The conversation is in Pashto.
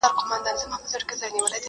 څه پیسې لرې څه زر څه مرغلري؛